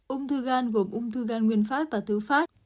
úng thư gan gồm úng thư gan nguyên phát và thư phát